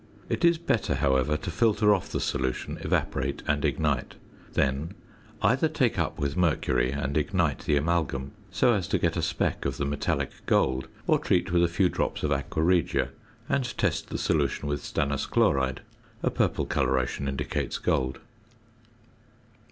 It is better, however, to filter off the solution, evaporate, and ignite. Then, either take up with mercury, and ignite the amalgam so as to get a speck of the metallic gold; or treat with a few drops of aqua regia, and test the solution with stannous chloride: a purple coloration indicates gold.